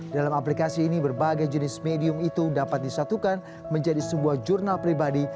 dalam aplikasi ini berbagai jenis medium itu dapat disatukan menjadi sebuah jurnal pribadi